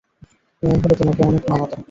মেয়ে হলে তোমাকে অনেক মানাতো।